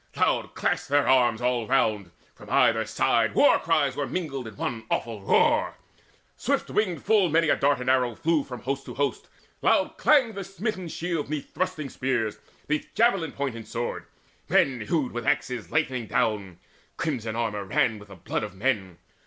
Loud clashed their arms all round; from either side War cries were mingled in one awful roar Swift winged full many a dart and arrow flew From host to host; loud clanged the smitten shields 'Neath thrusting spears, 'neath javelin point and sword: Men hewed with battle axes lightening down; Crimson the armour ran with blood of men.